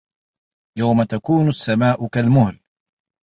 يَومَ تَكونُ السَّماءُ كَالمُهلِ